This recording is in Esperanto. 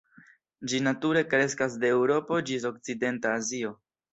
Ĝi nature kreskas de Eŭropo ĝis okcidenta Azio.